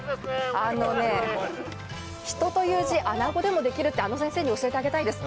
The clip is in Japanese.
人という字、あなごでもできると、あの先生に教えてあげたいです。